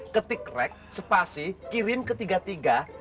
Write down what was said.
ketik rek sepasi kirim ke tiga puluh tiga raja dermawan demang